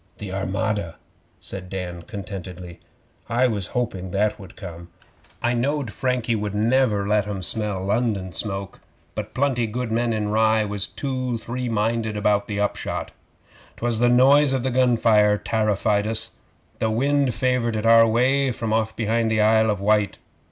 'The Armada!' said Dan contentedly. 'I was hoping that would come.' 'I knowed Frankie would never let 'em smell London smoke, but plenty good men in Rye was two three minded about the upshot. 'Twas the noise of the gun fire tarrified us. The wind favoured it our way from off behind the Isle of Wight.